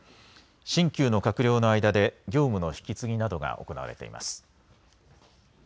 新旧の閣僚の間で業務の引き継ぎなどが行われます。